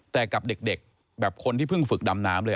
แต่กับเด็กแบบคนที่เพิ่งฝึกดำน้ำเลย